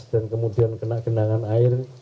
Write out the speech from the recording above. dan kemudian kena kenangan air